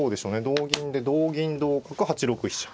同銀で同銀同角８六飛車。